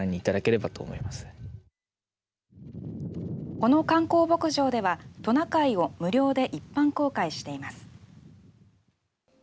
この観光牧場ではトナカイを無料で一般公開しています。